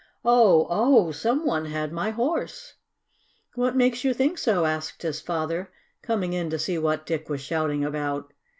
"Oh! Oh! Some one had my Horse!" "What makes you think so?" asked his father, coming in to see what Dick was shouting about.